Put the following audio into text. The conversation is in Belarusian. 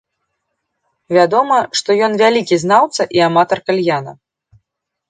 Вядома, што ён вялікі знаўца і аматар кальяна.